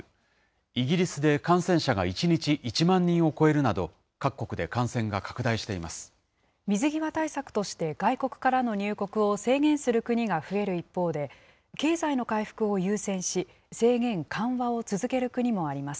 イギリスで感染者が１日１万人を超えるなど、各国で感染が拡大し水際対策として外国からの入国を制限する国が増える一方で、経済の回復を優先し、制限緩和を続ける国もあります。